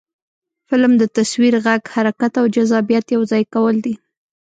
فلم د تصویر، غږ، حرکت او جذابیت یو ځای کول دي